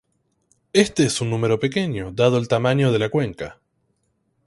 Este es un número pequeño dado el tamaño de la cuenca.